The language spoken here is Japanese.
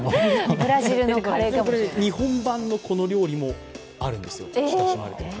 日本版のこの料理もあるんですよ。